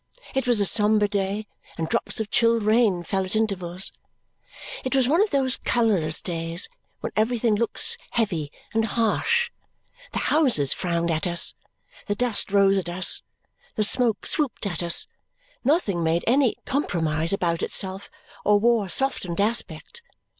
It was a sombre day, and drops of chill rain fell at intervals. It was one of those colourless days when everything looks heavy and harsh. The houses frowned at us, the dust rose at us, the smoke swooped at us, nothing made any compromise about itself or wore a softened aspect.